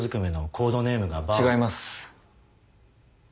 違います。